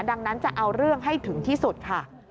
ดังนั้นจะเอาเรื่องให้ถึงที่สุดค่ะ